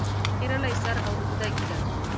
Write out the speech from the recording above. خریلي سر او اوږده ږیره